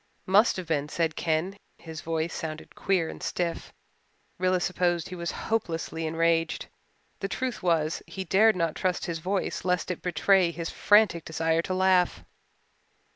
"Must have been," said Ken. His voice sounded queer and stiff. Rilla supposed he was hopelessly enraged. The truth was he dared not trust his voice lest it betray his frantic desire to laugh.